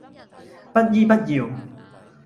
不依不饒